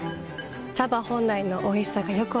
茶葉本来のおいしさがよく分かります。